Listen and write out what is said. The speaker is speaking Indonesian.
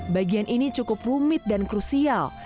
bagian ini cukup rumit dan krusial